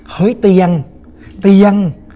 เฮ้ยเตียงเตียง